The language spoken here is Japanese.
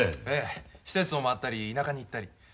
ええ施設を回ったり田舎に行ったり。